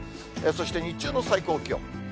そして日中の最高気温。